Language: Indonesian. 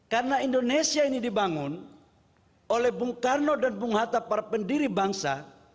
karena indonesia ini dibangun oleh bung karno dan bung hatta para pendiri bangsa